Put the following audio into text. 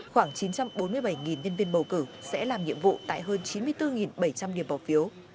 khoảng chín trăm bốn mươi bảy nhân viên bầu cử sẽ làm nhiệm vụ tại hơn chín mươi bốn bảy trăm linh điểm bỏ phiếu